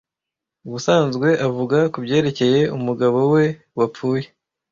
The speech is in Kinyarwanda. Ubusanzwe avuga kubyerekeye umugabo we wapfuye.